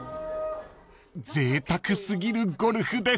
［ぜいたく過ぎるゴルフです］